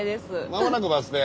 間もなくバス停です。